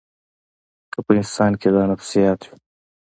که په انسان کې دا نفسیات وي.